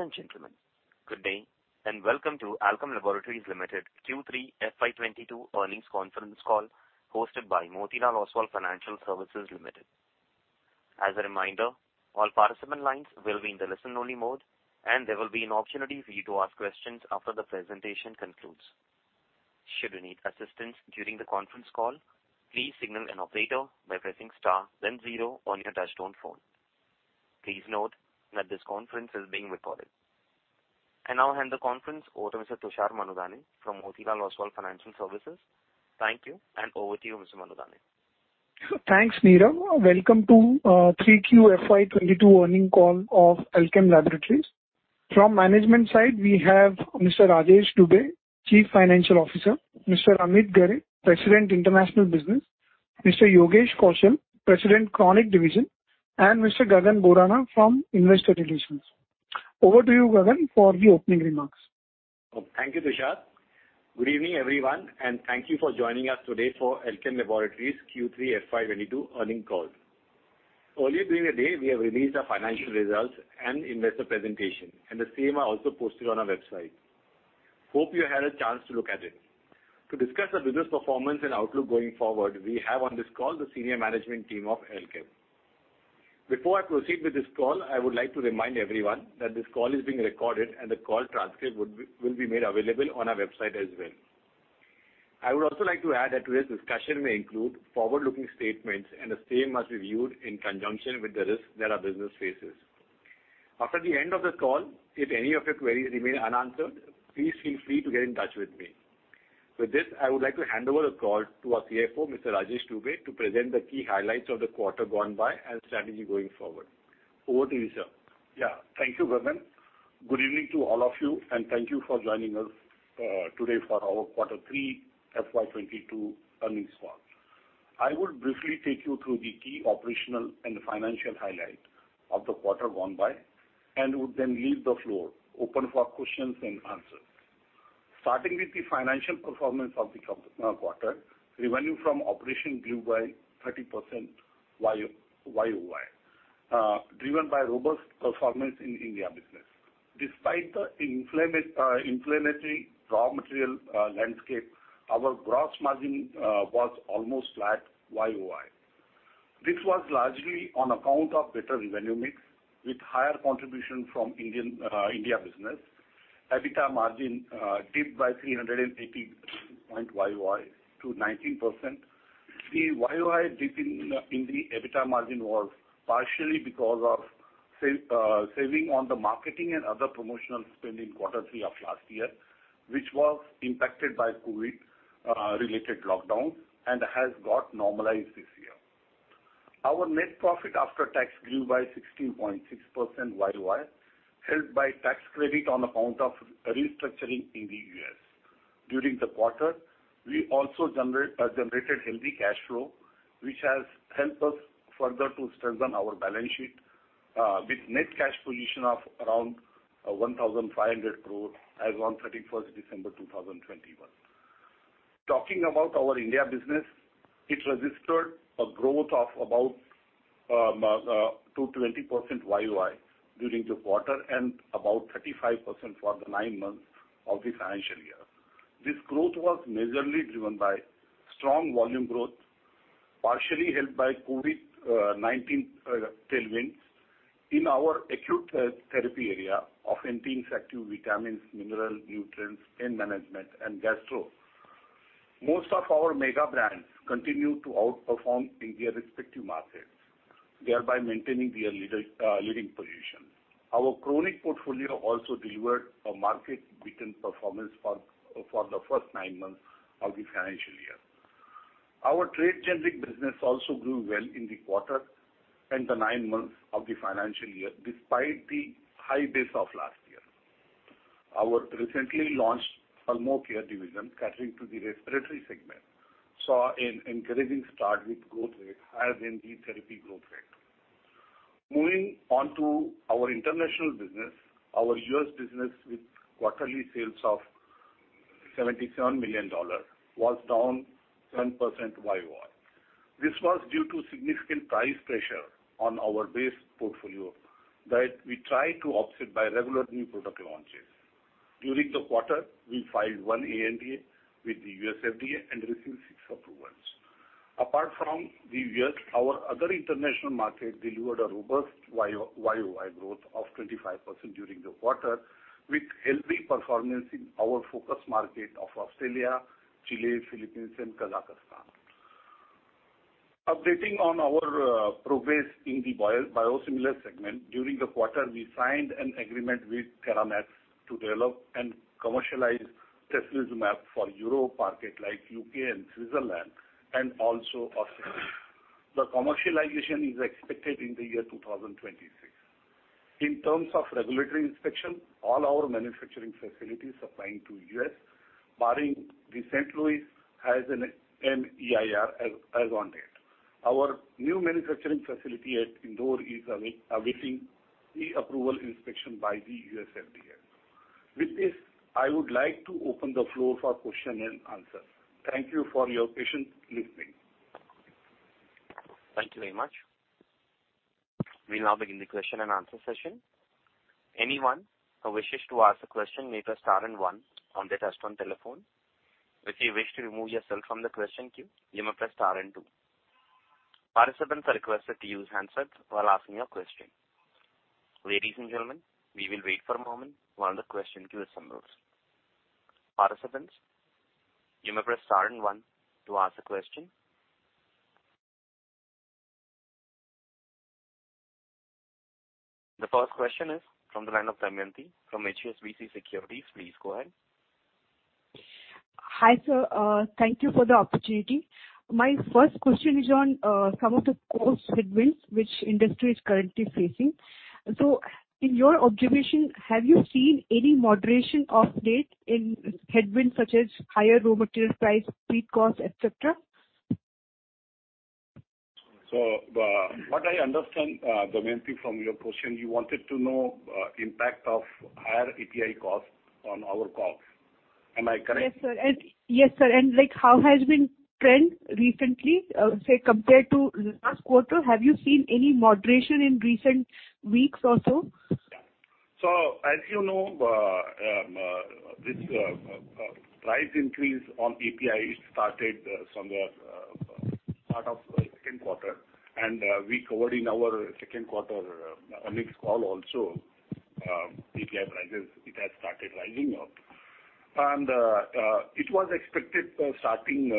Ladies and gentlemen, good day and welcome to Alkem Laboratories Limited Q3 FY 2022 earnings conference call hosted by Motilal Oswal Financial Services Limited. As a reminder, all participant lines will be in the listen-only mode, and there will be an opportunity for you to ask questions after the presentation concludes. Should you need assistance during the conference call, please signal an operator by pressing star then zero on your touchtone phone. Please note that this conference is being recorded. I now hand the conference over to Mr. Tushar Manudhane from Motilal Oswal Financial Services. Thank you, and over to you, Mr. Manudhane. Thanks, Neeraj. Welcome to Q3 FY 2022 earnings call of Alkem Laboratories. From management side, we have Mr. Rajesh Dubey, Chief Financial Officer, Mr. Amit Ghare, President, International Business, Mr. Yogesh Kaushal, President, Chronic Division, and Mr. Gagan Borana from Investor Relations. Over to you, Gagan, for the opening remarks. Thank you, Tushar. Good evening, everyone, and thank you for joining us today for Alkem Laboratories Q3 FY 2022 earnings call. Earlier during the day, we have released our financial results and investor presentation, and the same are also posted on our website. Hope you had a chance to look at it. To discuss our business performance and outlook going forward, we have on this call the senior management team of Alkem. Before I proceed with this call, I would like to remind everyone that this call is being recorded and the call transcript will be made available on our website as well. I would also like to add that today's discussion may include forward-looking statements, and the same must be viewed in conjunction with the risks that our business faces. After the end of the call, if any of your queries remain unanswered, please feel free to get in touch with me. With this, I would like to hand over the call to our CFO, Mr. Rajesh Dubey, to present the key highlights of the quarter gone by and strategy going forward. Over to you, sir. Yeah. Thank you, Gagan. Good evening to all of you, and thank you for joining us today for our Q3 FY 2022 earnings call. I will briefly take you through the key operational and financial highlight of the quarter gone by and would then leave the floor open for questions and answers. Starting with the financial performance of the quarter, revenue from operation grew by 30% Y-O-Y, driven by robust performance in India business. Despite the inflammatory raw material landscape, our gross margin was almost flat Y-O-Y. This was largely on account of better revenue mix with higher contribution from Indian, India business. EBITDA margin dipped by 380 point Y-O-Y to 19%. The Y-O-Y dip in the EBITDA margin was partially because of saving on the marketing and other promotional spend in quarter three of last year, which was impacted by COVID related lockdown and has got normalized this year. Our net profit after tax grew by 16.6% Y-O-Y, helped by tax credit on account of restructuring in the U.S. During the quarter, we also generated healthy cash flow, which has helped us further to strengthen our balance sheet with net cash position of around 1,500 crore as on 31 December 2021. Talking about our India business, it registered a growth of about 20% Y-O-Y during the quarter and about 35% for the nine months of the financial year. This growth was majorly driven by strong volume growth, partially helped by COVID-19 tailwinds in our acute therapy area of anti-infective vitamins, mineral nutrients, pain management and gastro. Most of our mega brands continue to outperform in their respective markets, thereby maintaining their leading position. Our chronic portfolio also delivered a market-beating performance for the first nine months of the financial year. Our trade generic business also grew well in the quarter and the nine months of the financial year, despite the high base of last year. Our recently launched Pulmocare division catering to the respiratory segment saw an encouraging start with growth rate higher than the therapy growth rate. Moving on to our international business, our U.S. business with quarterly sales of $77 million was down 10% Y-O-Y. This was due to significant price pressure on our base portfolio that we try to offset by regular new product launches. During the quarter, we filed 1 ANDA with the U.S. FDA and received 6 approvals. Apart from the U.S., our other international market delivered a robust Y-O-Y growth of 25% during the quarter with healthy performance in our focus market of Australia, Chile, Philippines, and Kazakhstan. Updating on our progress in the biosimilar segment, during the quarter we signed an agreement with Theramex to develop and commercialize trastuzumab for Europe market like U.K. and Switzerland and also Australia. The commercialization is expected in the year 2026. In terms of regulatory inspection, all our manufacturing facilities supplying to U.S., barring the St. Louis, has an EIR as on date. Our new manufacturing facility at Indore is awaiting the approval inspection by the U.S. FDA. With this, I would like to open the floor for question and answers. Thank you for your patient listening. Thank you very much. We'll now begin the question and answer session. Anyone who wishes to ask a question may press star and one on their touchtone telephone. If you wish to remove yourself from the question queue, you may press star and two. Participants are requested to use handsets while asking your question. Ladies and gentlemen, we will wait for a moment while the question queue assembles. Participants, you may press star and one to ask a question. The first question is from the line of Damayanti from HSBC Securities. Please go ahead. Hi, sir. Thank you for the opportunity. My first question is on some of the core headwinds which industry is currently facing. In your observation, have you seen any moderation of late in headwinds such as higher raw material price, freight cost, et cetera? What I understand, Damayanti, from your question, you wanted to know impact of higher API costs on our costs. Am I correct? Yes, sir. Yes, sir, like how has the trend been recently, say compared to last quarter, have you seen any moderation in recent weeks or so? As you know, this price increase on API started somewhere part of second quarter. We covered in our second quarter earnings call also, API prices; it has started rising up. It was expected starting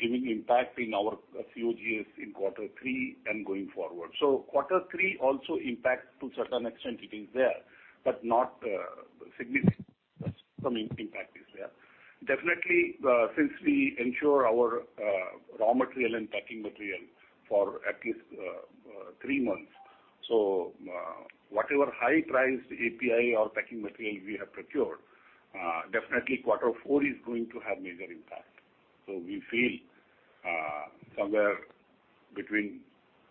giving impact in our COGS in quarter three and going forward. Quarter three also impact to certain extent it is there, but not significant; some impact is there. Definitely, since we ensure our raw material and packing material for at least three months. Whatever high price API or packing material we have procured, definitely quarter four is going to have major impact. We feel somewhere between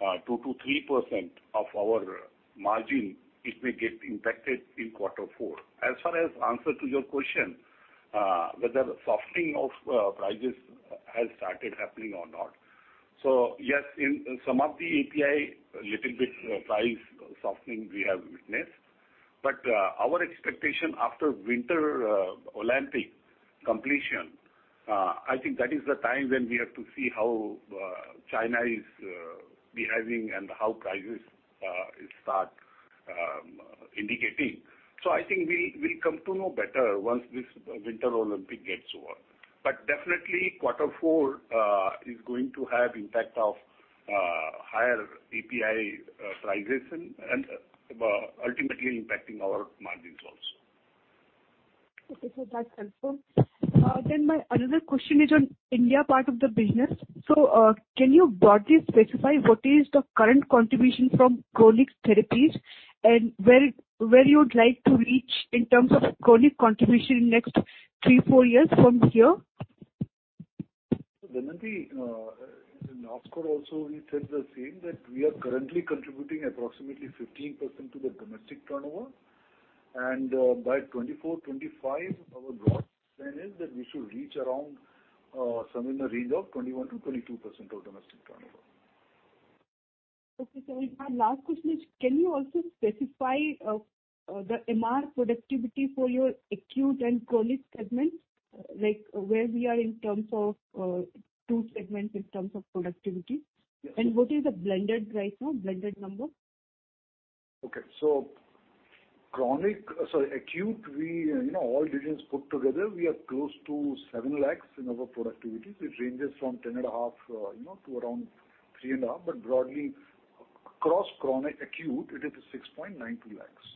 2%-3% of our margin, it may get impacted in quarter four. As far as answer to your question, whether softening of prices has started happening or not. Yes, in some of the API, little bit price softening we have witnessed. Our expectation after Winter Olympics completion, I think that is the time when we have to see how China is behaving and how prices start indicating. I think we'll come to know better once this Winter Olympics gets over. Definitely quarter four is going to have impact of higher API prices and ultimately impacting our margins also. Okay, sir. That's helpful. My another question is on India part of the business. Can you broadly specify what is the current contribution from chronic therapies and where you would like to reach in terms of chronic contribution in next three, four years from here? Damayanti, in our call also we said the same, that we are currently contributing approximately 15% to the domestic turnover. By 2024, 2025, our broad plan is that we should reach around somewhere in the range of 21%-22% of domestic turnover. Okay, sir. My last question is, can you also specify, the MR productivity for your acute and chronic segments, like where we are in terms of, two segments in terms of productivity? Yes. What is the blended right now, blended number? Okay. Chronic, sorry, acute, we, you know, all regions put together, we are close to 7 lakhs in our productivity, which ranges from 10.5, you know, to around 3.5. Broadly across chronic acute it is 6.92 lakhs.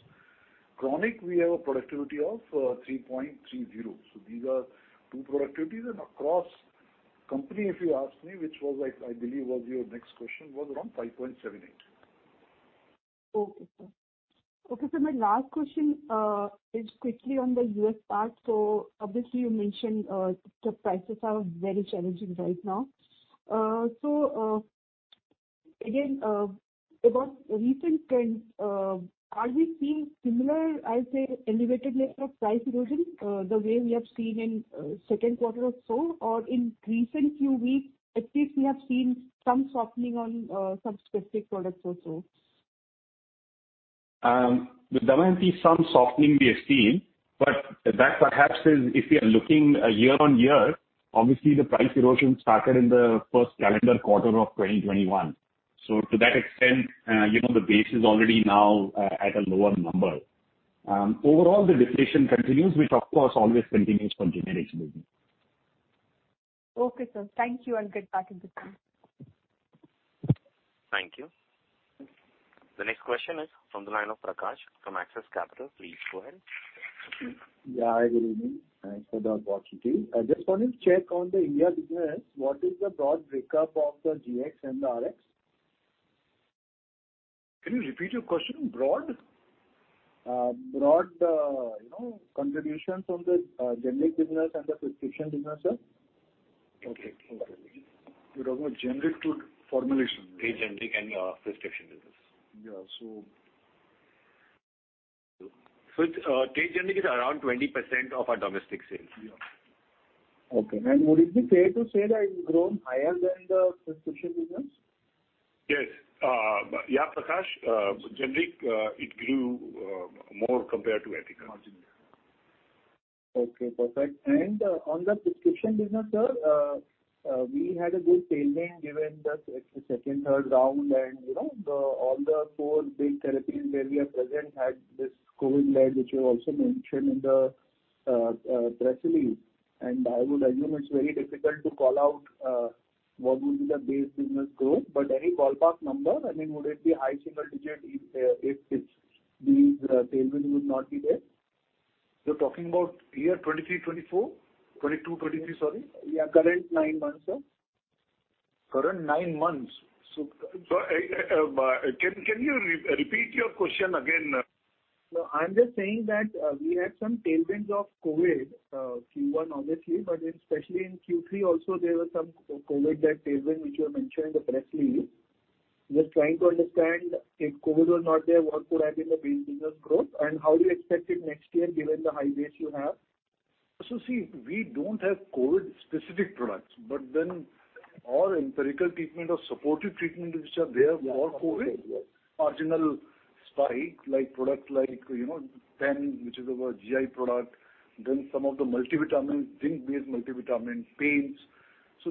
Chronic we have a productivity of 3.30. These are two productivities. Across company if you ask me, which was I believe was your next question, was around 5.78. Okay, sir, my last question is quickly on the U.S. part. Obviously you mentioned the prices are very challenging right now. Again, about recent trend, are we seeing similar, I'd say elevated level of price erosion the way we have seen in second quarter or so? Or in recent few weeks at least we have seen some softening on some specific products or so. Damayanti, some softening we have seen, but that perhaps is if you are looking year-on-year, obviously the price erosion started in the first calendar quarter of 2021. To that extent, you know, the base is already now at a lower number. Overall, the deflation continues, which of course always continues for generic business. Okay, sir. Thank you, and good part of the team. Thank you. The next question is from the line of Prakash from Axis Capital. Please go ahead. Yeah. Good evening. Thanks for the opportunity. I just wanted to check on the India business. What is the broad break up of the GX and the RX? Can you repeat your question? Broad? Broad, you know, contributions from the generic business and the prescription business, sir. Okay. You're talking about generic to formulation. Generic and prescription business. Yeah. It's trade generic is around 20% of our domestic sales. Okay. Would it be fair to say that it's grown higher than the prescription business? Yes. Prakash, so generic, it grew more compared to ethical. Okay, perfect. On the prescription business, sir, we had a good tailwind given the second, third round, you know, all the four big therapies where we are present had this COVID-led, which you also mentioned in the press release. I would assume it's very difficult to call out what would be the base business growth. Any ballpark number, I mean, would it be high single digit if these tailwinds would not be there? You're talking about year 2023, 2024? 2022, 2023, sorry. Yeah, current 9 months, sir. Current nine months? Can you repeat your question again? No, I'm just saying that we had some tailwinds of COVID, Q1 obviously, but especially in Q3 also there were some COVID-led tailwind which you have mentioned in the press release. Just trying to understand if COVID was not there, what could have been the base business growth, and how do you expect it next year given the high base you have? See, we don't have COVID-specific products, but then all empirical treatment or supportive treatment which are there for COVID. Yes. Marginal spike, like products like, you know, Pan, which is our GI product, then some of the multivitamins, zinc-based multivitamins, pains.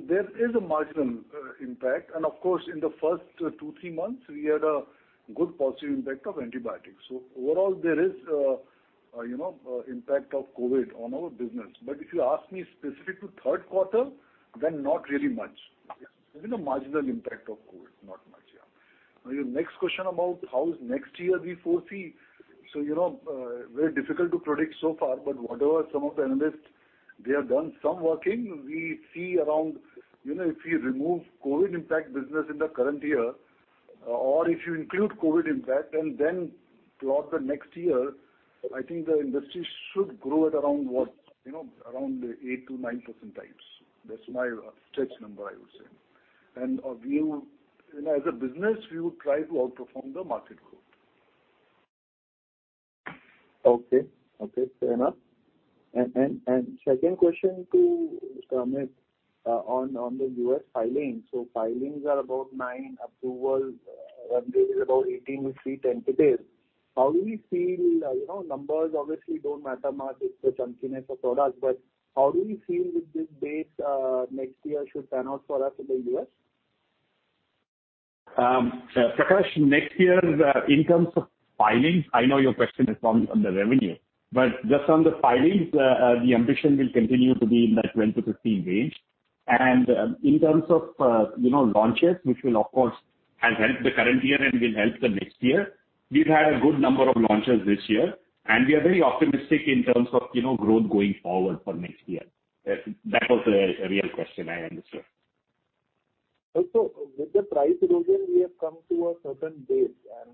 There is a marginal impact. Of course, in the first two, three months, we had a good positive impact of antibiotics. Overall, there is, you know, impact of COVID on our business. If you ask me specific to third quarter, then not really much. Maybe the marginal impact of COVID, not much, yeah. Now your next question about how is next year we foresee. You know, very difficult to predict so far, but whatever some of the analysts, they have done some working. We see around, you know, if you remove COVID impact business in the current year, or if you include COVID impact, and then throughout the next year, I think the industry should grow at around what, you know, around the 8%-9% types. That's my stretch number, I would say. We would, you know, as a business, we would try to outperform the market growth. Okay. Okay, fair enough. Second question to Amit Ghare on the U.S. filings. Filings are about 9 approvals. Run rate is about 18 to 30 ANDAs to date. How do you feel, you know, numbers obviously don't matter much, it's the chunkiness of products, but how do you feel with this base, next year should pan out for us in the U.S.? Prakash, next year in terms of filings, I know your question is on the revenue. Just on the filings, the ambition will continue to be in that 12-15 range. In terms of, you know, launches, which will of course has helped the current year and will help the next year, we've had a good number of launches this year and we are very optimistic in terms of, you know, growth going forward for next year. That was the real question I understood. Also, with the price erosion, we have come to a certain base.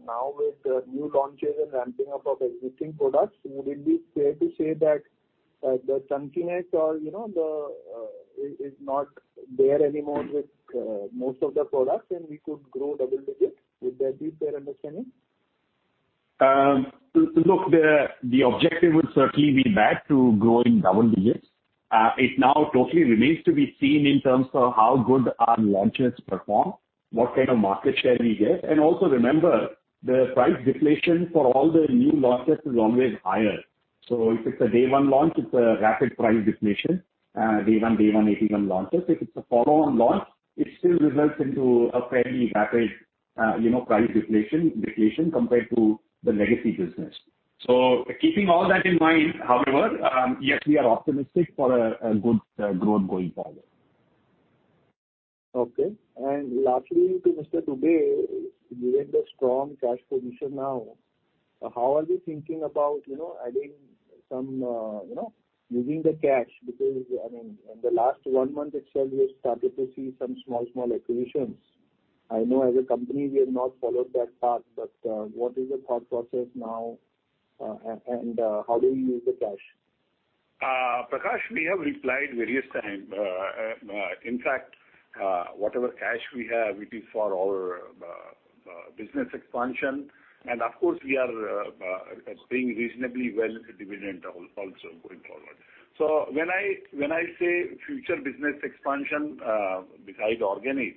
Now with the new launches and ramping up of existing products, would it be fair to say that, the chunkiness or, you know, the, is not there anymore with, most of the products and we could grow double digits? Would that be a fair understanding? Look, the objective would certainly be that, to grow in double digits. It now totally remains to be seen in terms of how good our launches perform, what kind of market share we get. Also remember, the price deflation for all the new launches is always higher. If it's a day one launch, it's a rapid price deflation. Day one ANDA launches. If it's a follow-on launch, it still results into a fairly rapid, you know, price deflation compared to the legacy business. Keeping all that in mind, however, yes, we are optimistic for a good growth going forward. Okay. Lastly to Mr. Dubey, given the strong cash position now, how are we thinking about, you know, adding some, you know, using the cash? Because I mean, in the last one month itself, we have started to see some small acquisitions. I know as a company we have not followed that path, but, what is the thought process now, and how do you use the cash? Prakash, we have replied various times. In fact, whatever cash we have, it is for our business expansion. Of course, we are paying reasonably well dividend also going forward. When I say future business expansion, besides organic,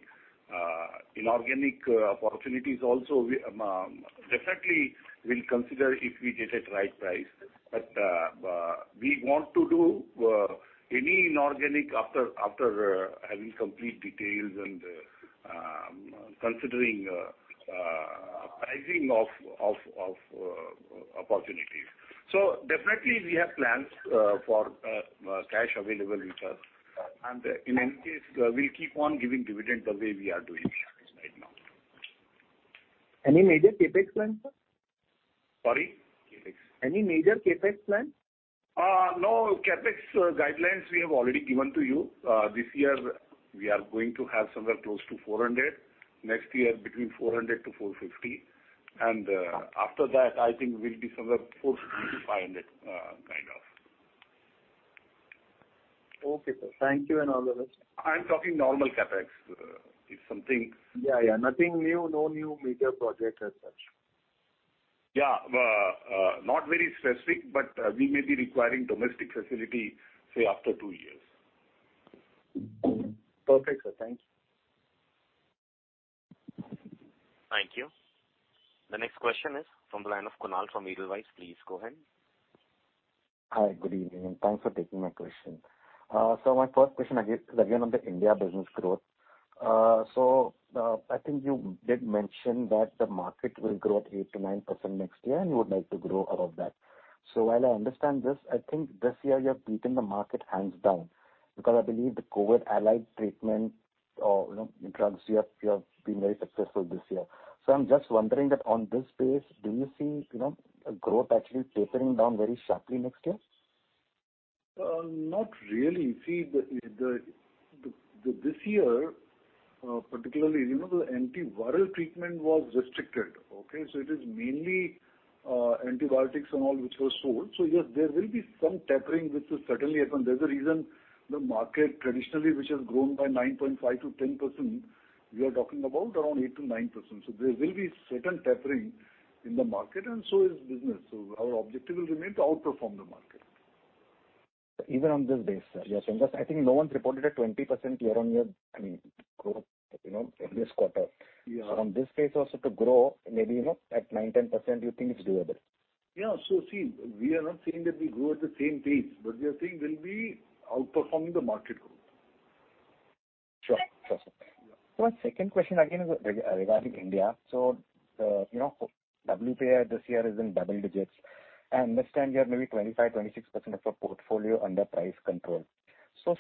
inorganic opportunities also, we definitely will consider if we get the right price. We want to do any inorganic after having complete details and considering pricing of opportunities. Definitely we have plans for cash available with us. In any case, we'll keep on giving dividend the way we are doing right now. Any major CapEx plans, sir? Sorry? CapEx. Any major CapEx plans? No. CapEx guidelines we have already given to you. This year we are going to have somewhere close to 400. Next year between 400-450. After that, I think we'll be somewhere 450-500, kind of. Okay, sir. Thank you and all the best. I'm talking normal CapEx. If something Yeah, yeah. Nothing new. No new major project as such. Yeah. Not very specific, but we may be requiring domestic facility, say after two years. Perfect, sir. Thank you. Thank you. The next question is from the line of Kunal from Edelweiss. Please go ahead. Hi. Good evening. Thanks for taking my question. My first question, I guess, is again on the India business growth. I think you did mention that the market will grow at 8%-9% next year, and you would like to grow above that. While I understand this, I think this year you have beaten the market hands down because I believe the COVID-allied treatment or, you know, drugs you have, you have been very successful this year. I'm just wondering that on this base, do you see, you know, a growth actually tapering down very sharply next year? Not really. See, this year, particularly, you know, the antiviral treatment was restricted, okay? It is mainly antibiotics and all which were sold. Yes, there will be some tapering, which is certainly happen. There's a reason the market traditionally, which has grown by 9.5%-10%, we are talking about around 8%-9%. There will be certain tapering in the market and so is business. Our objective will remain to outperform the market. Even on this base, sir. Yes, I think no one's reported a 20% year-on-year, I mean, growth, you know, in this quarter. Yeah. From this phase also to grow, maybe, you know, at 9%-10% you think it's doable? Yeah. See, we are not saying that we grow at the same pace, but we are saying we'll be outperforming the market growth. Sure, sir. Yeah. One second question again is regarding India. You know, WPI this year is in double digits. I understand you have maybe 25-26% of your portfolio under price control.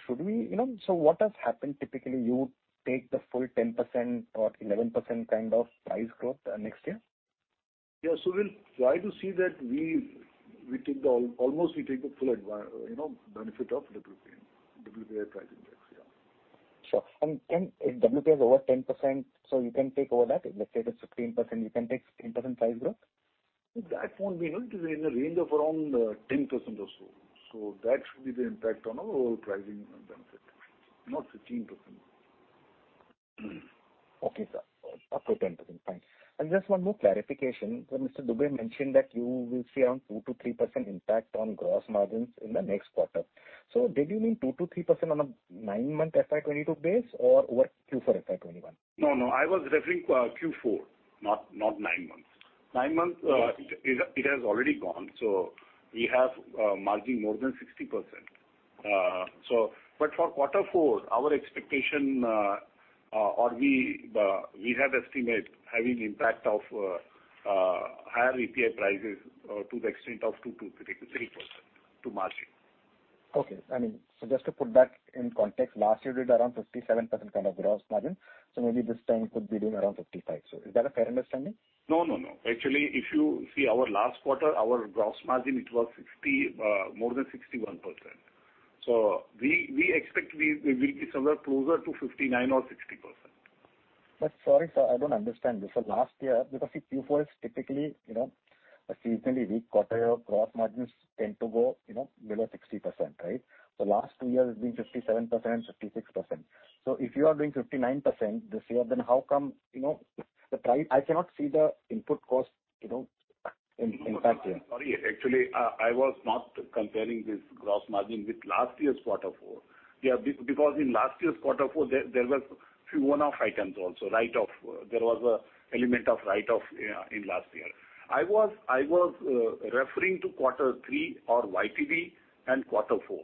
Should we, you know, what has happened typically, you would take the full 10% or 11% kind of price growth next year? Yeah. We'll try to see that we take almost the full advantage, you know, benefit of WPI price index. Yeah. Sure. If WPI is over 10%, so you can take over that. Let's say it is 15%, you can take 15% price growth? That won't be. You know, it is in the range of around 10% or so. That should be the impact on our overall pricing benefit, not 15%. Okay, sir. Up to 10%. Fine. Just one more clarification. Mr. Dubey mentioned that you will see around 2%-3% impact on gross margins in the next quarter. Did you mean 2%-3% on a 9-month FY 2022 base or over Q4 FY 2021? No, no. I was referring Q4, not nine months. Nine months, it has already gone. We have margin more than 60%. But for quarter four, our expectation or we have estimate having impact of higher API prices to the extent of 2%-3% to margin. Okay. I mean, so just to put that in context, last year did around 57% kind of gross margin. Maybe this time could be doing around 55%. Is that a fair understanding? No. Actually, if you see our last quarter, our gross margin, it was 60, more than 61%. We expect we will be somewhere closer to 59% or 60%. Sorry, sir, I don't understand this. Last year, because the Q4 is typically, you know, a seasonally weak quarter, your gross margins tend to go, you know, below 60%, right? The last two years it's been 57%, 56%. If you are doing 59% this year, then how come, you know, the price. I cannot see the input cost, you know, impacting. Sorry. Actually, I was not comparing this gross margin with last year's quarter four. Yeah. Because in last year's quarter four there were a few one-off items also, write-off. There was an element of write-off in last year. I was referring to quarter three or YTD and quarter four.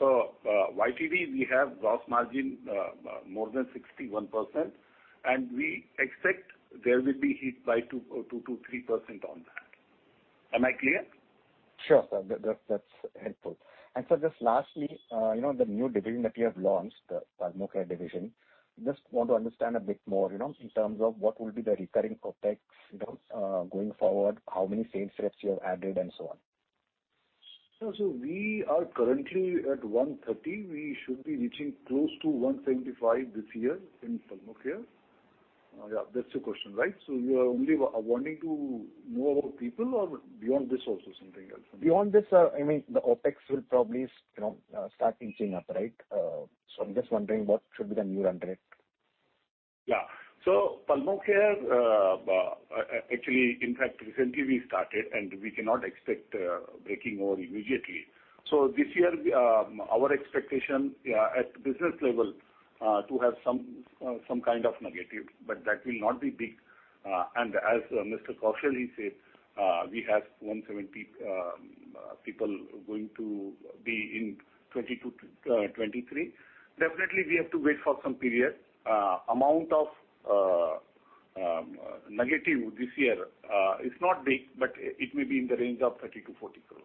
YTD we have gross margin more than 61%, and we expect there will be hit by 2%-3% on that. Am I clear? Sure, sir. That's helpful. Sir, just lastly, you know, the new division that you have launched, the Pulmocare division, just want to understand a bit more, you know, in terms of what will be the recurring OpEx, you know, going forward, how many sales reps you have added and so on. We are currently at 130. We should be reaching close to 175 this year in Pulmocare. Yeah, that's your question, right? You are only wanting to know about people or beyond this also something else? Beyond this, I mean, the OpEx will probably, you know, start inching up, right? I'm just wondering what should be the new run rate. Yeah. Pulmocare, actually in fact recently we started and we cannot expect breaking even immediately. This year, our expectation at business level to have some kind of negative, but that will not be big. As Mr. Kaushal, he said, we have 170 people going to be in 2022 to 2023. Definitely, we have to wait for some period. Amount of negative this year is not big, but it may be in the range of 30 crore-40 crore.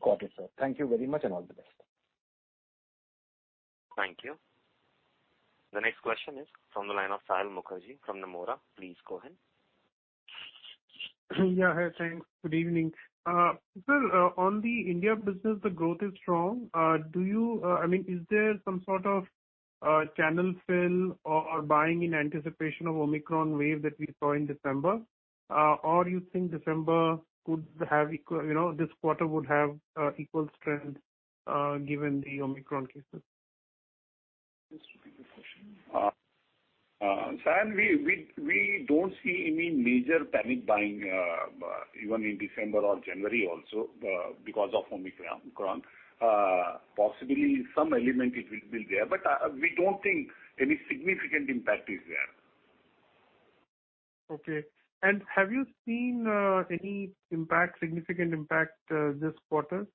Got it, sir. Thank you very much and all the best. Thank you. The next question is from the line of Saion Mukherjee from Nomura. Please go ahead. Yeah. Hi. Thanks. Good evening. Sir, on the India business, the growth is strong. Do you, I mean, is there some sort of channel fill or buying in anticipation of Omicron wave that we saw in December? Or you think December could have equal, you know, this quarter would have equal strength given the Omicron cases? Saion, we don't see any major panic buying, even in December or January also, because of Omicron. Possibly some element it will be there, but we don't think any significant impact is there. Okay. Have you seen any impact, significant impact, this quarter?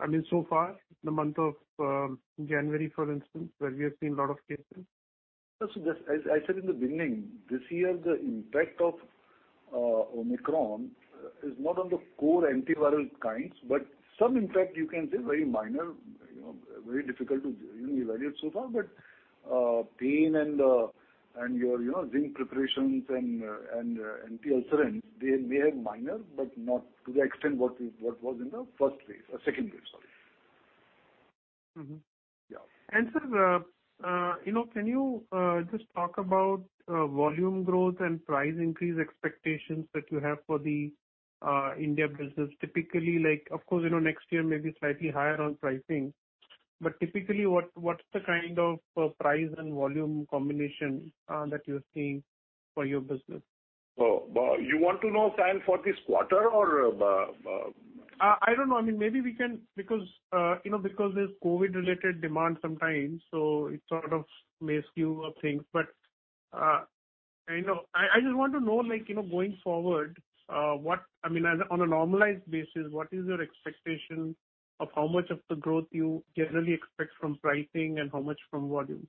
I mean, so far, the month of January, for instance, where we have seen a lot of cases. As I said in the beginning, this year, the impact of Omicron is not on the core antiviral kinds, but some impact you can say very minor, you know, very difficult to even evaluate so far. Pain and your zinc preparations and antiulcerants, they may have minor, but not to the extent what was in the first wave or second wave, sorry. Mm-hmm. Yeah. Sir, you know, can you just talk about volume growth and price increase expectations that you have for the India business? Typically, like, of course, you know, next year may be slightly higher on pricing. Typically, what's the kind of price and volume combination that you're seeing for your business? You want to know, Sai, for this quarter or I don't know. I mean, maybe we can because, you know, because there's COVID-related demand sometimes, so it sort of may skew things. But, I know. I just want to know, like, you know, going forward, what I mean, as a on a normalized basis, what is your expectation of how much of the growth you generally expect from pricing and how much from volume?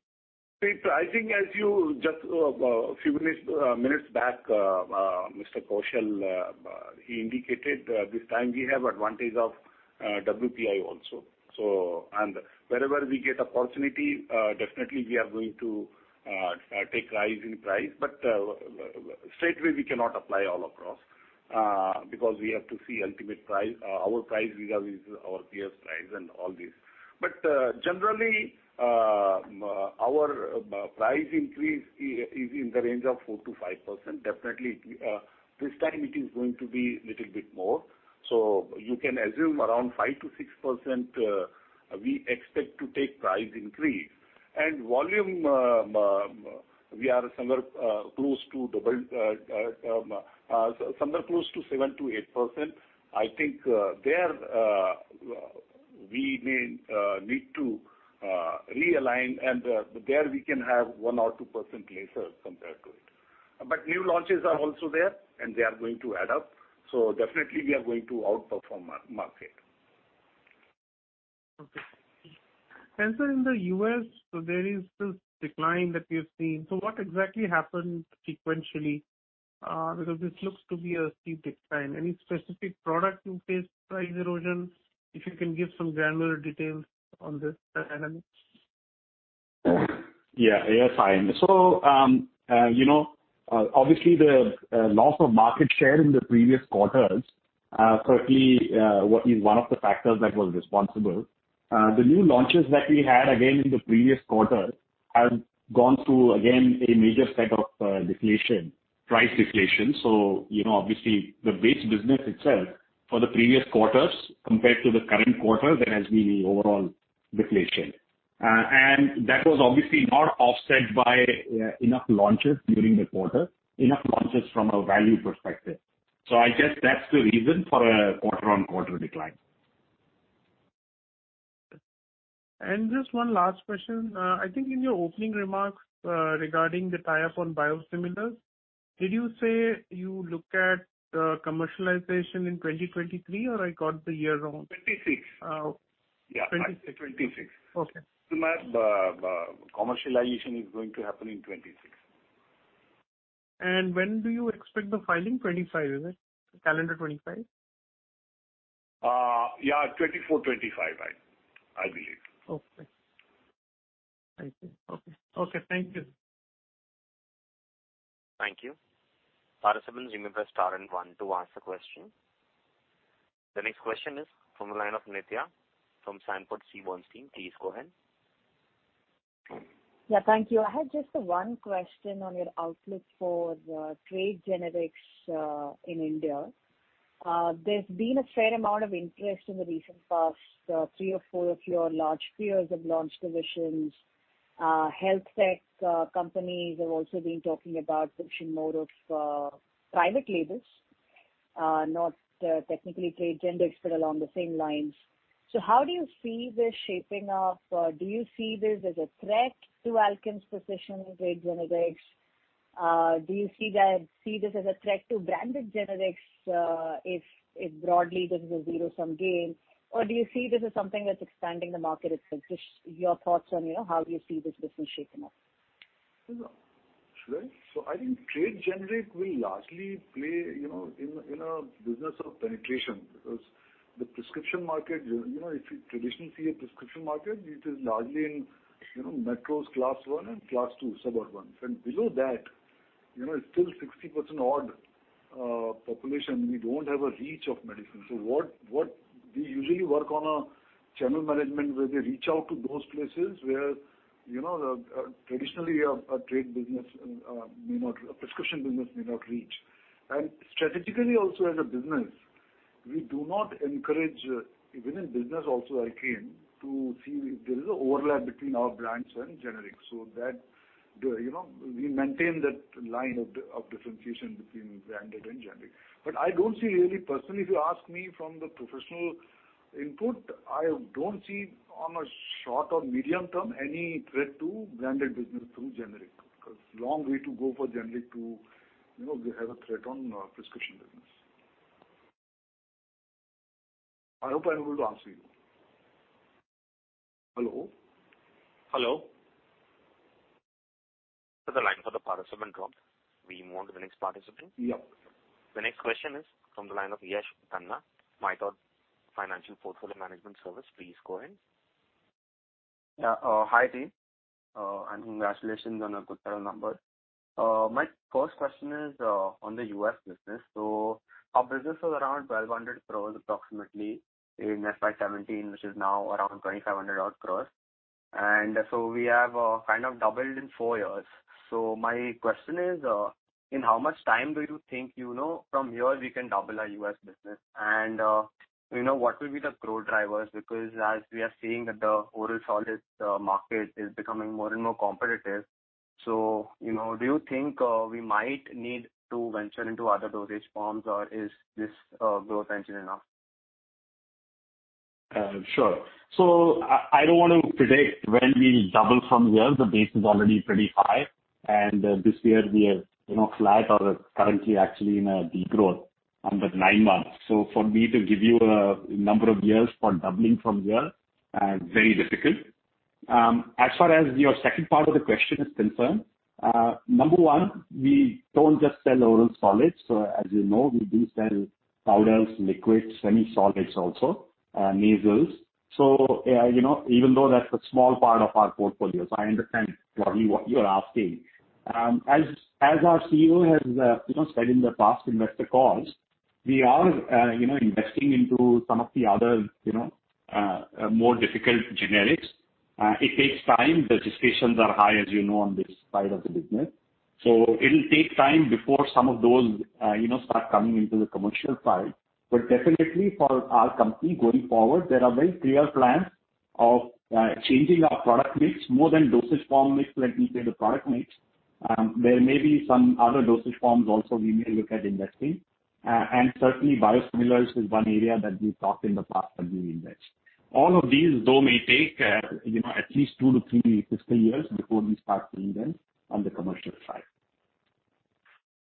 I think as you just a few minutes back, Mr. Yogesh Kaushal he indicated this time we have advantage of WPI also. Wherever we get opportunity, definitely we are going to take rise in price. Straightway we cannot apply all across because we have to see ultimate price, our price vis-a-vis our peers' price and all this. Generally our price increase is in the range of 4%-5%. Definitely this time it is going to be little bit more. You can assume around 5%-6% we expect to take price increase. Volume we are somewhere close to double, somewhere close to 7%-8%. I think there we may need to realign and there we can have 1% or 2% lesser compared to it. New launches are also there, and they are going to add up. Definitely we are going to outperform market. Okay. Sir, in the U.S., so there is this decline that we've seen. What exactly happened sequentially? Because this looks to be a steep decline. Any specific product you faced price erosion? If you can give some granular details on this dynamic. Yeah. Yeah, Sai. You know, obviously the loss of market share in the previous quarters certainly what is one of the factors that was responsible. The new launches that we had again in the previous quarter have gone through again a major set of deflation, price deflation. You know, obviously the base business itself for the previous quarters compared to the current quarter, there has been an overall deflation. That was obviously not offset by enough launches during the quarter, enough launches from a value perspective. I guess that's the reason for a quarter-on-quarter decline. Just one last question. I think in your opening remarks, regarding the tie-up on biosimilars, did you say you look at commercialization in 2023, or I got the year wrong? Twenty-six. Uh. Yeah. Twenty-six. Twenty-six. Okay. The commercialization is going to happen in 2026. When do you expect the filing? 25, is it? Calendar 25? Yeah, 2024, 2025, I believe. Okay. Thank you. Thank you. Operator, you may press star and one to ask a question. The next question is from the line of Nithya from Sanford C. Bernstein. Please go ahead. Yeah, thank you. I had just one question on your outlook for the trade generics in India. There's been a fair amount of interest in the recent past. Three or four of your large peers have launched divisions. Health tech companies have also been talking about pushing more of private labels, not technically trade generics, but along the same lines. How do you see this shaping up? Do you see this as a threat to Alkem's position in trade generics? Do you see this as a threat to branded generics, if broadly this is a zero-sum game? Or do you see this as something that's expanding the market itself? Just your thoughts on, you know, how you see this business shaping up. Sure. I think trade generic will largely play, you know, in a business of penetration because the prescription market, you know, if you traditionally see a prescription market, it is largely in, you know, metros class one and class two suburb ones. Below that, you know, it's still 60% odd population we don't have a reach of medicine. What we usually work on a channel management where they reach out to those places where, you know, traditionally a trade business may not. A prescription business may not reach. Strategically also as a business, we do not encourage, even in business also we can see there is an overlap between our brands and generics. That, you know, we maintain that line of differentiation between branded and generic. I don't see really, personally, if you ask me from the professional input, I don't see on a short or medium term any threat to branded business through generic. Because long way to go for generic to, you know, have a threat on prescription business. I hope I'm able to answer you. Hello? Hello? The line for the participant dropped. We move on to the next participant. Yeah. The next question is from the line of Yash Khanna, ithought Portfolio Management Services. Please go ahead. Hi, team, and congratulations on a good set of numbers. My first question is on the U.S. business. Our business was around 1,200 crore approximately in FY 2017, which is now around 2,500 crore odd. We have kind of doubled in four years. My question is, in how much time do you think, you know, from here we can double our U.S. business? You know, what will be the growth drivers? Because as we are seeing that the oral solids market is becoming more and more competitive. You know, do you think we might need to venture into other dosage forms, or is this growth engine enough? Sure. So I don't want to predict when we'll double from here. The base is already pretty high. This year we are, you know, flat or currently actually in a degrowth under nine months. For me to give you a number of years for doubling from here, very difficult. As far as your second part of the question is concerned, number one, we don't just sell oral solids. As you know, we do sell powders, liquids, semi-solids also, nasals. You know, even though that's a small part of our portfolio, I understand what you are asking. As our CEO has, you know, said in the past investor calls, we are, you know, investing into some of the other, you know, more difficult generics. It takes time. Registrations are high, as you know, on this side of the business. It'll take time before some of those, you know, start coming into the commercial side. Definitely for our company going forward, there are very clear plans of changing our product mix. More than dosage form mix, let me say the product mix. There may be some other dosage forms also we may look at investing. Certainly biosimilars is one area that we've talked in the past that we invest. All of these, though, may take, you know, at least 2-3 fiscal years before we start seeing them on the commercial side.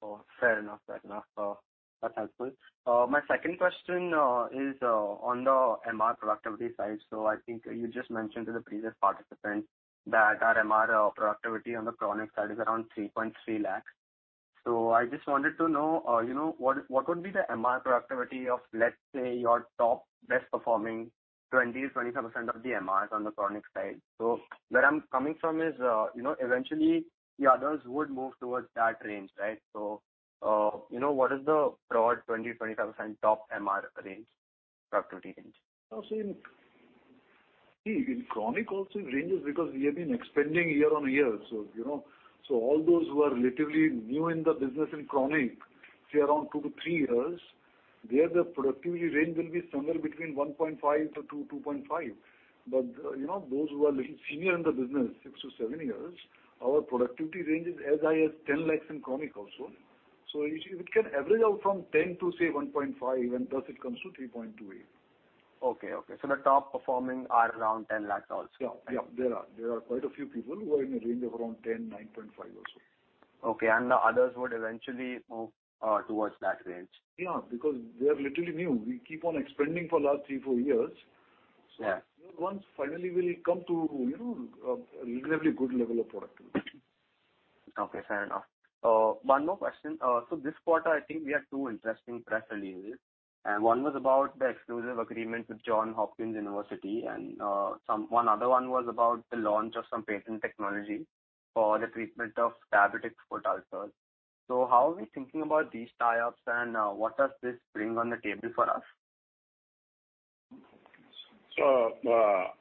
Oh, fair enough. Fair enough. That's helpful. My second question is on the MR productivity side. I think you just mentioned to the previous participant that our MR productivity on the chronic side is around 3.3 lakh. I just wanted to know, you know, what would be the MR productivity of, let's say, your top best performing 20%-25% of the MRs on the chronic side? Where I'm coming from is, you know, eventually the others would move towards that range, right? You know, what is the broad 20%-25% top MR range, productivity range? See, in chronic also it ranges because we have been expanding year-on-year. You know, all those who are relatively new in the business in chronic, say around 2-3 years, there the productivity range will be somewhere between 1.5-2.5. You know, those who are little senior in the business, 6-7 years, our productivity range is as high as 10 lakhs in chronic also. It can average out from 10 to, say, 1.5, and thus it comes to 3.28. The top performing are around INR 10 lakh also? Yeah. There are quite a few people who are in a range of around 10, 9.5 or so. Okay. The others would eventually move towards that range? Yeah, because they are literally new. We keep on expanding for last three, four years. Yeah. Those ones finally will come to, you know, a relatively good level of productivity. Okay, fair enough. One more question. This quarter I think we had two interesting press releases, and one was about the exclusive agreement with Johns Hopkins University. One other one was about the launch of some patent technology for the treatment of diabetic foot ulcers. How are we thinking about these tie-ups, and what does this bring to the table for us?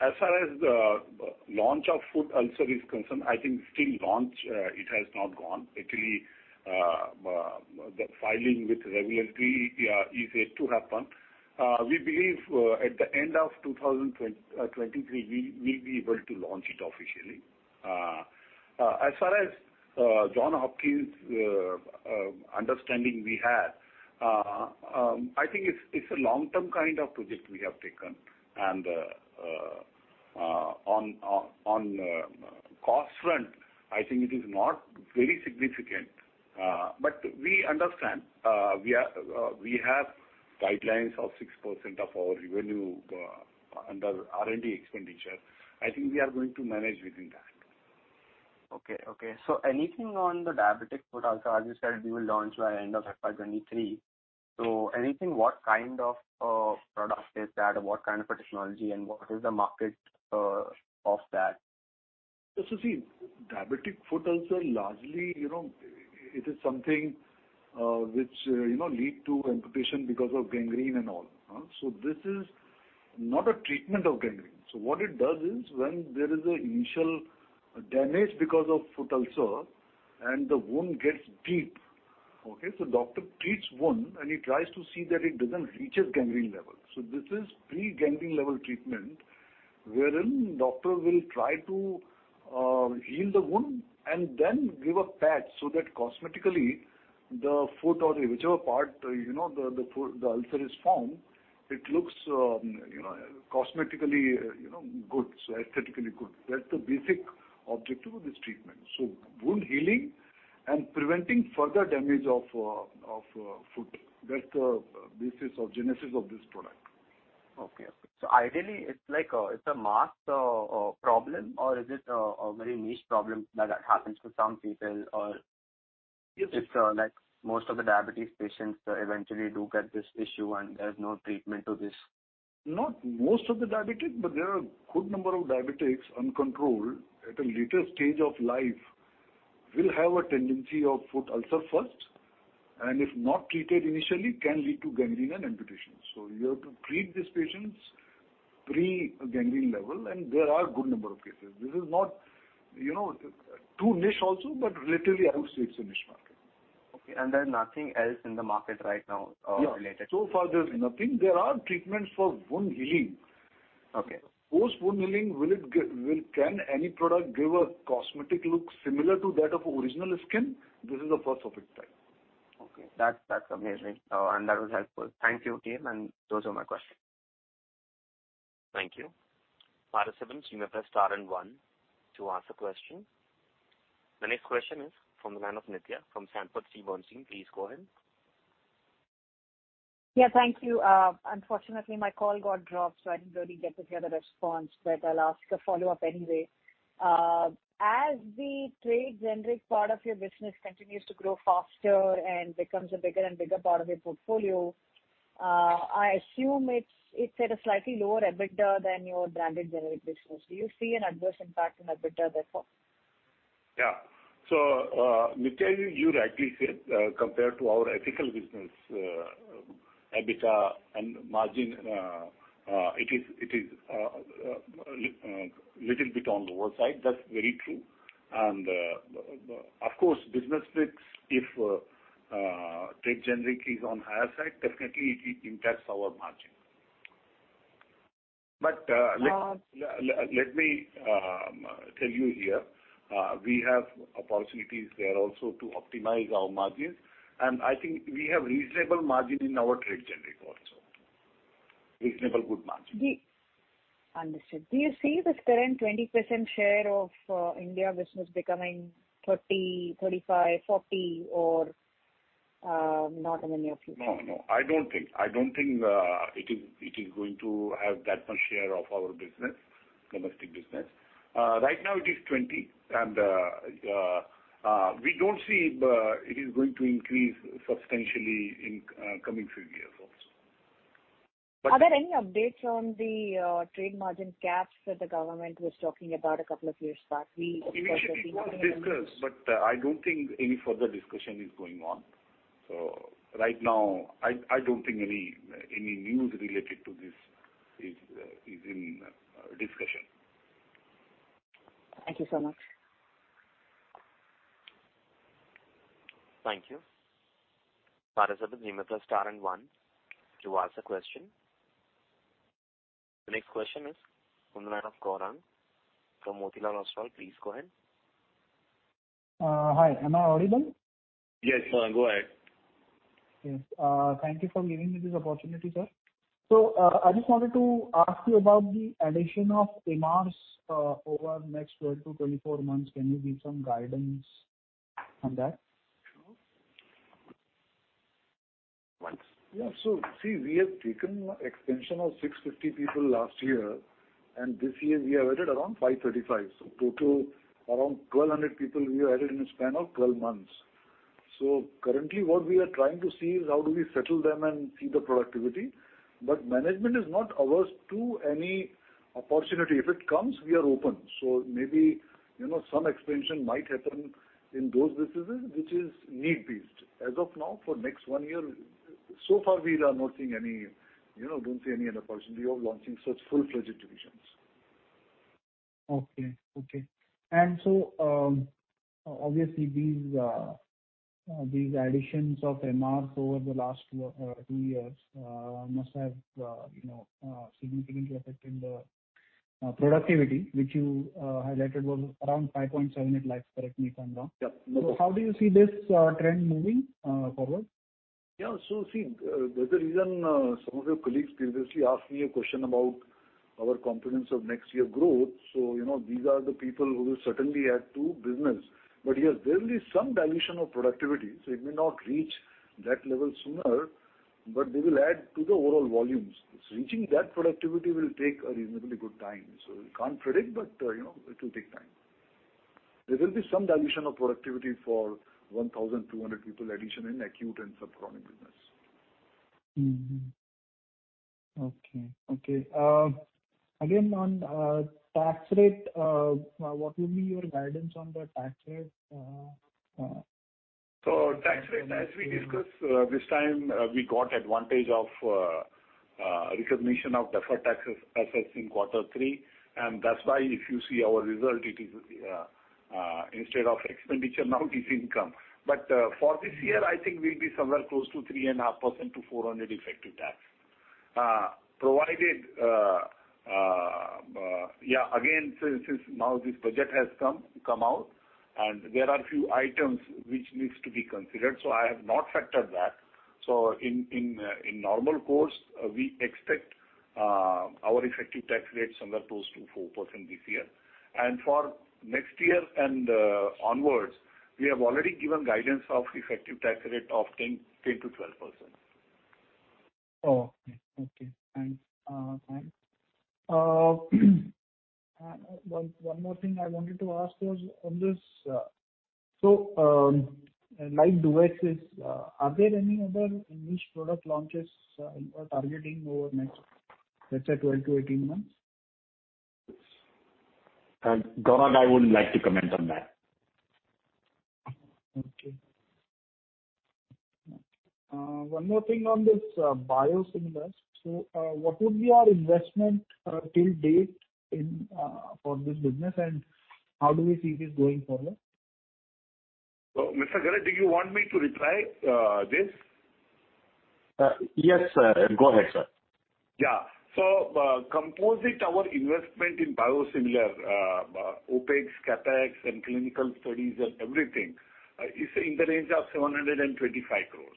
As far as the launch of foot ulcer is concerned, I think it has not gone. Actually, the filing with regulatory is yet to happen. We believe at the end of 2023, we'll be able to launch it officially. As far as Johns Hopkins understanding we have, I think it's a long-term kind of project we have taken. On the cost front, I think it is not very significant. But we understand we have guidelines of 6% of our revenue under R&D expenditure. I think we are going to manage within that. Okay. Anything on the diabetic foot ulcer? As you said, you will launch by end of FY 2023. Anything, what kind of product is that or what kind of a technology and what is the market of that? See, diabetic foot ulcer largely, you know, it is something which, you know, lead to amputation because of gangrene and all. This is not a treatment of gangrene. What it does is when there is a initial damage because of foot ulcer and the wound gets deep, okay. Doctor treats wound, and he tries to see that it doesn't reaches gangrene level. This is pre-gangrene level treatment, wherein doctor will try to heal the wound and then give a patch so that cosmetically the foot or whichever part, you know, the foot, the ulcer is formed, it looks, you know, cosmetically good, so aesthetically good. That's the basic objective of this treatment. Wound healing and preventing further damage of foot. That's the basis of genesis of this product. Okay. Ideally it's like, it's a mass problem or is it a very niche problem that happens to some people? Or if like most of the diabetes patients eventually do get this issue and there's no treatment to this. In most of the diabetics, but there are a good number of diabetics uncontrolled at a later stage of life will have a tendency for foot ulcer first, and if not treated initially, can lead to gangrene and amputation. You have to treat these patients pre-gangrene level, and there are a good number of cases. This is not, you know, too niche also, but relatively I would say it's a niche market. Okay. There's nothing else in the market right now, related. Yeah. So far there's nothing. There are treatments for wound healing. Okay. Post wound healing, can any product give a cosmetic look similar to that of original skin? This is the first of its type. Okay. That's amazing. That was helpful. Thank you, TM, and those are my questions. Thank you. Participant, you may press star and one to ask a question. The next question is from the line of Nithya from Sanford C. Bernstein. Please go ahead. Yeah, thank you. Unfortunately, my call got dropped, so I didn't really get to hear the response, but I'll ask a follow-up anyway. As the trade generic part of your business continues to grow faster and becomes a bigger and bigger part of your portfolio, I assume it's at a slightly lower EBITDA than your branded generic business. Do you see an adverse impact on EBITDA therefore? Yeah, Nithya, you rightly said, compared to our ethical business, EBITDA and margin, it is little bit on lower side. That's very true. Of course, business mix, if trade generic is on higher side, definitely it impacts our margin. But, Um- Let me tell you here, we have opportunities there also to optimize our margins, and I think we have reasonable margin in our trade generic also. Reasonable good margin. Understood. Do you see this current 20% share of India business becoming 30, 35, 40 or not in the near future? No, no. I don't think it is going to have that much share of our business, domestic business. Right now it is 20% and we don't see it is going to increase substantially in coming few years also. Are there any updates on the trade margin caps that the government was talking about a couple of years back? Initially it was discussed, but I don't think any further discussion is going on. Right now I don't think any news related to this is in discussion. Thank you so much. Thank you. Participant, you may press star and one to ask a question. The next question is on the line of Gaurang from Motilal Oswal. Please go ahead. Hi. Am I audible? Yes. Go ahead. Yes. Thank you for giving me this opportunity, sir. I just wanted to ask you about the addition of MRs over next 12-24 months. Can you give some guidance on that? Sure. Yeah. See, we have taken extension of 650 people last year, and this year we have added around 535. Total around 1,200 people we added in a span of 12 months. Currently what we are trying to see is how do we settle them and see the productivity. Management is not averse to any opportunity. If it comes, we are open. Maybe, you know, some expansion might happen in those businesses, which is need-based. As of now for next one year, so far we are not seeing any, you know, don't see any other opportunity of launching such full-fledged divisions. Obviously these additions of MRs over the last two or three years must have you know significantly affected the productivity, which you highlighted was around 5.78 lakhs, correct me if I'm wrong. Yep. How do you see this trend moving forward? Yeah. See, there's a reason some of your colleagues previously asked me a question about our confidence of next year growth. You know, these are the people who will certainly add to business. Yes, there will be some dilution of productivity, so it may not reach that level sooner, but they will add to the overall volumes. Reaching that productivity will take a reasonably good time. We can't predict, but, you know, it will take time. There will be some dilution of productivity for 1,200 people addition in acute and chronic business. Okay. Again, on tax rate, what will be your guidance on the tax rate? Tax rate, as we discussed, this time, we got advantage of recognition of deferred taxes assessed in quarter three. That's why if you see our result, it is, instead of expenditure now it is income. For this year, I think we'll be somewhere close to 3.5% to 4% effective tax. Provided, yeah, again, since now this budget has come out, and there are a few items which needs to be considered, so I have not factored that. In normal course, we expect our effective tax rate somewhere close to 4% this year. For next year and onwards, we have already given guidance of effective tax rate of 10%-12%. Okay. One more thing I wanted to ask was on this, so like Duet is, are there any other niche product launches, you are targeting over next, let's say, 12-18 months? Gaurang I wouldn't like to comment on that. Okay. One more thing on this, biosimilars. What would be your investment till date in for this business, and how do we see this going forward? Mr. Gaurang, do you want me to reply this? Yes, sir. Go ahead, sir. Our investment in biosimilar, OpEx, CapEx, and clinical studies and everything is in the range of 725 crores.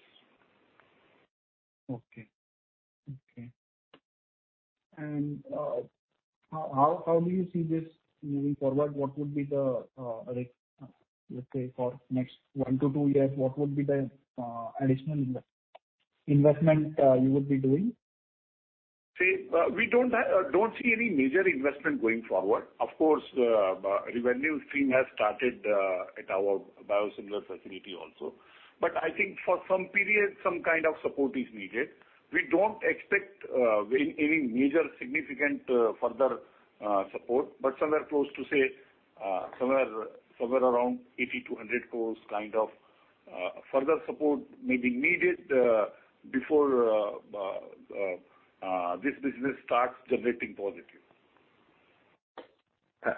Okay. How do you see this moving forward? What would be the, let's say for next 1-2 years, what would be the additional investment you would be doing? See, we don't see any major investment going forward. Of course, revenue stream has started at our biosimilar facility also. I think for some period, some kind of support is needed. We don't expect any major significant further support, but somewhere close to, say, around 80 crore-100 crore kind of further support may be needed before this business starts generating positive.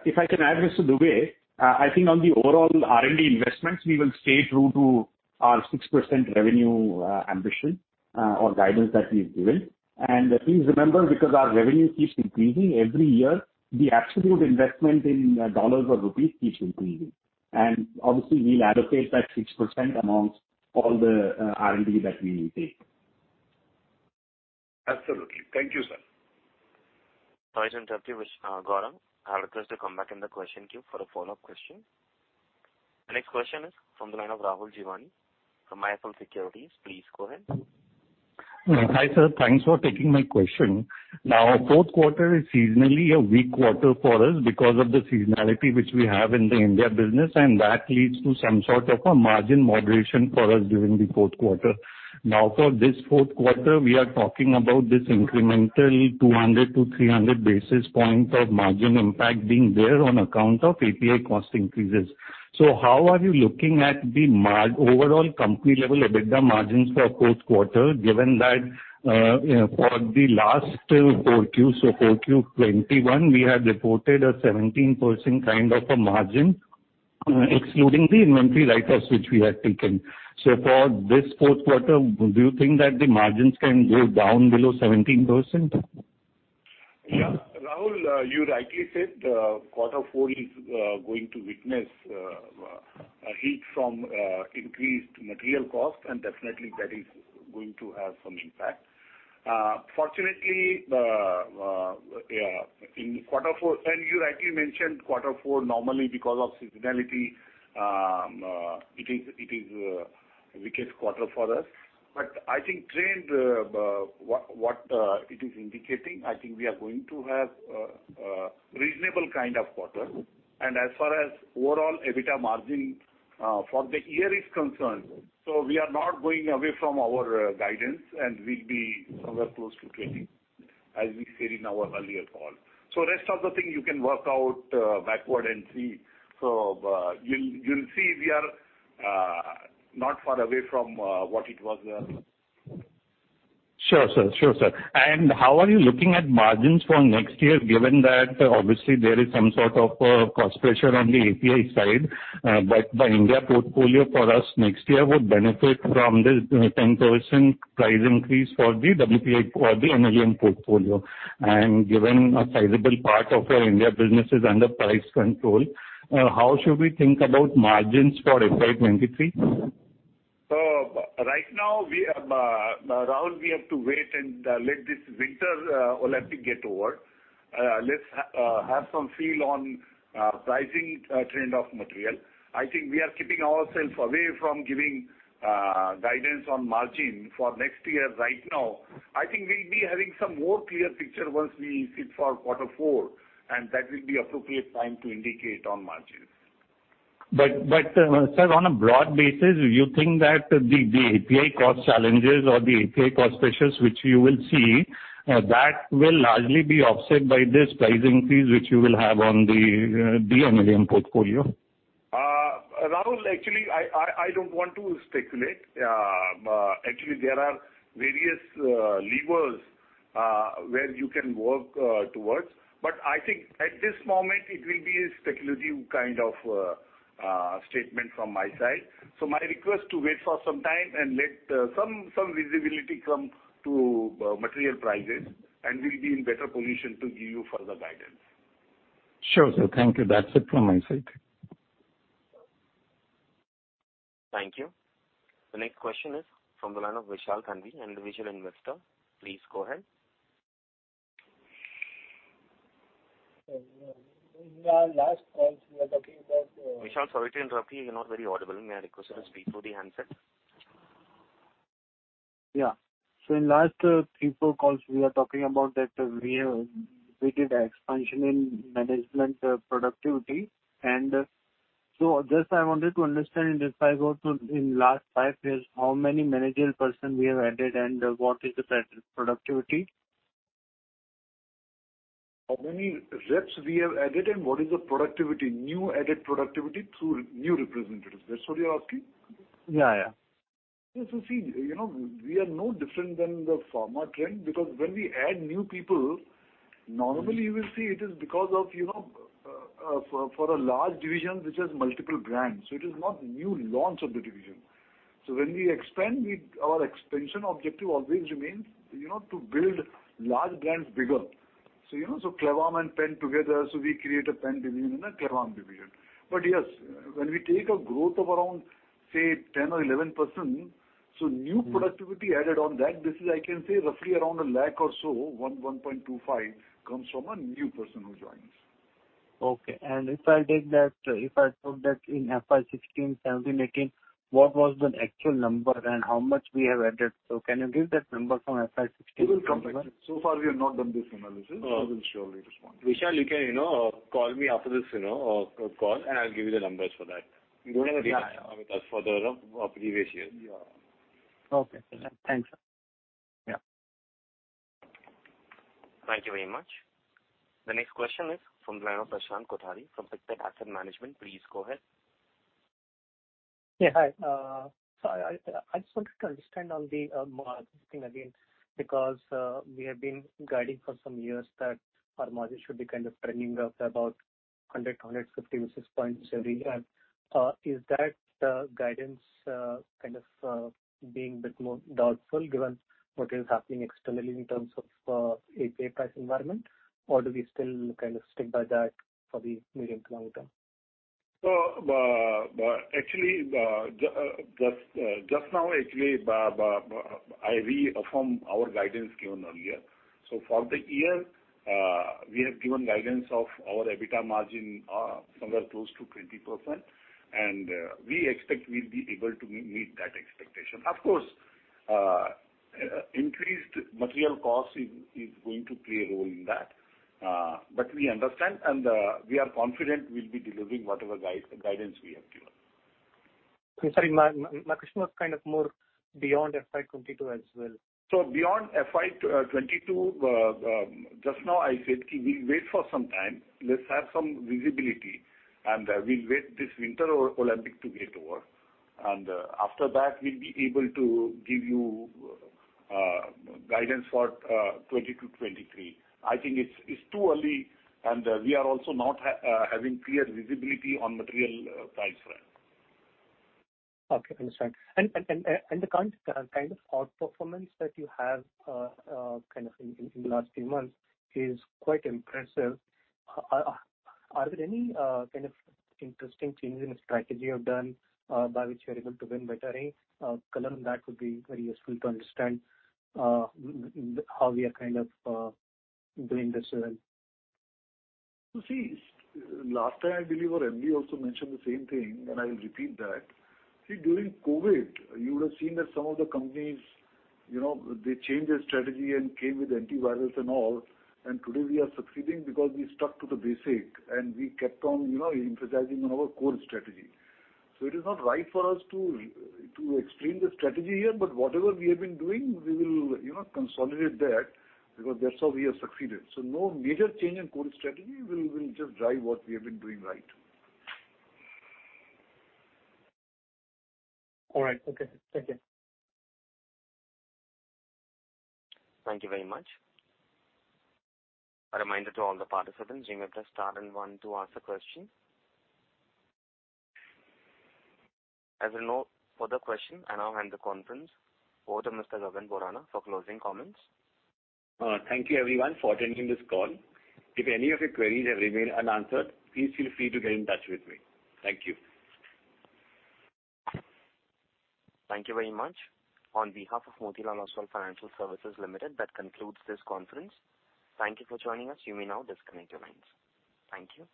If I can add, Mr. Dubey, I think on the overall R&D investments, we will stay true to our 6% revenue ambition or guidance that we've given. Please remember, because our revenue keeps increasing every year, the absolute investment in dollars or rupees keeps increasing. Obviously, we'll allocate that 6% amongst all the R&D that we will take. Absolutely. Thank you, sir. Sorry to interrupt you, Gaurang. I request you come back in the question queue for a follow-up question. The next question is from the line of Rahul Jeewani from IIFL Securities. Please go ahead. Hi, sir. Thanks for taking my question. Fourth quarter is seasonally a weak quarter for us because of the seasonality which we have in the India business, and that leads to some sort of a margin moderation for us during the fourth quarter. For this fourth quarter, we are talking about this incrementally 200-300 basis points of margin impact being there on account of API cost increases. How are you looking at the overall company level EBITDA margins for fourth quarter, given that, for the last 4Q, so 4Q 2021, we had reported a 17% kind of a margin, excluding the inventory write-offs which we had taken. For this fourth quarter, do you think that the margins can go down below 17%? Rahul, you rightly said, quarter four is going to witness a hit from increased material costs, and definitely that is going to have some impact. Fortunately, in quarter four, you rightly mentioned quarter four normally because of seasonality, it is weakest quarter for us. I think trend what it is indicating, I think we are going to have a reasonable kind of quarter. As far as overall EBITDA margin for the year is concerned, we are not going away from our guidance, and we'll be somewhere close to 20%, as we said in our earlier call. Rest of the thing you can work out backward and see. You'll see we are not far away from what it was earlier. Sure, sir. How are you looking at margins for next year, given that obviously there is some sort of a cost pressure on the API side, but the India portfolio for us next year would benefit from this 10% price increase for the WPI or the NLEM portfolio. Given a sizable part of your India business is under price control, how should we think about margins for FY 2023? Right now we have, Rahul, we have to wait and let this Winter Olympics get over. Let's have some feel on pricing trend of material. I think we are keeping ourselves away from giving guidance on margin for next year right now. I think we'll be having some more clear picture once we sit for quarter four, and that will be appropriate time to indicate on margins. Sir, on a broad basis, you think that the API cost challenges or the API cost pressures which you will see that will largely be offset by this pricing fees which you will have on the DPCO portfolio? Rahul, actually I don't want to speculate. Actually there are various levers where you can work towards. I think at this moment it will be a speculative kind of statement from my side. My request to wait for some time and let some visibility come to material prices, and we'll be in better position to give you further guidance. Sure, sir. Thank you. That's it from my side. Thank you. The next question is from the line of Vishal Kanvi, Individual Investor. Please go ahead. Sir, in our last call we were talking about. Vishal, sorry to interrupt you. You're not very audible. May I request you to speak through the handset? Yeah. In last 3, 4 calls we are talking about that we have. We did expansion in management, productivity. I wanted to understand, if I go through in last 5 years, how many managerial person we have added and what is the productivity? How many reps we have added and what is the productivity, new added productivity through new representatives? That's what you're asking? Yeah, yeah. Yes. See, you know, we are no different than the pharma trend because when we add new people, normally you will see it is because of, you know, for a large division which has multiple brands. It is not new launch of the division. When we expand, our expansion objective always remains, you know, to build large brands bigger. You know, Clavam and Pan together, we create a Pan division and a Clavam division. Yes, when we take a growth of around, say 10 or 11%, new productivity added on that is, I can say, roughly 1 lakh-1.25 lakh from a new person who joins. Okay. If I take that, if I took that in FY 2016, 2017, 2018, what was the actual number and how much we have added? Can you give that number from FY 2016- We will come back. So far we have not done this analysis. Oh. We will surely respond. Vishal, you can, you know, call me after this, you know, call and I'll give you the numbers for that. Yeah. You don't have it with us for the of previous year. Yeah. Okay. Thanks. Yeah. Thank you very much. The next question is from the line of Prashant Kothari from Pictet Asset Management. Please go ahead. Yeah. Hi. So I just wanted to understand on the margin thing again, because we have been guiding for some years that our margin should be kind of trending up to about 100-150 basis points every year. Is that guidance kind of being a bit more doubtful given what is happening externally in terms of API price environment, or do we still kind of stick by that for the medium to long term? Actually, just now actually, I reaffirm our guidance given earlier. For the year, we have given guidance of our EBITDA margin somewhere close to 20%, and we expect we'll be able to meet that expectation. Of course, increased material cost is going to play a role in that. We understand and we are confident we'll be delivering whatever guidance we have given. Sorry, my question was kind of more beyond FY 2022 as well. Beyond FY 2022, just now I said we wait for some time, let's have some visibility, and we'll wait this Winter Olympics to get over. After that, we'll be able to give you guidance for 2022, 2023. I think it's too early, and we are also not having clear visibility on material price front. Okay, I understand. The current kind of outperformance that you have kind of in last few months is quite impressive. Are there any kind of interesting change in strategy you have done by which you are able to win better here? Color on that would be very useful to understand how we are kind of doing this well. See, last time I believe our MD also mentioned the same thing, and I will repeat that. See, during COVID, you would have seen that some of the companies, you know, they changed their strategy and came with antivirus and all. Today we are succeeding because we stuck to the basic and we kept on, you know, emphasizing on our core strategy. It is not right for us to explain the strategy here. Whatever we have been doing, we will, you know, consolidate that because that's how we have succeeded. No major change in core strategy. We'll just drive what we have been doing right. All right. Okay. Thank you. Thank you very much. A reminder to all the participants, you may press star and one to ask a question. As there are no further question, I now hand the conference over to Mr. Gagan Borana for closing comments. Thank you everyone for attending this call. If any of your queries have remained unanswered, please feel free to get in touch with me. Thank you. Thank you very much. On behalf of Motilal Oswal Financial Services Limited, that concludes this conference. Thank you for joining us. You may now disconnect your lines. Thank you.